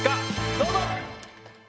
どうぞ！